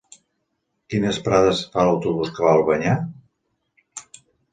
Quines parades fa l'autobús que va a Albanyà?